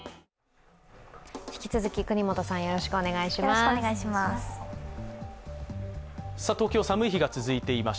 引き続き國本さん、よろしくお願いします。